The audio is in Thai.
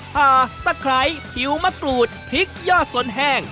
ตาตะไคร้ผิวมะกรูดพริกยอดสนแห้ง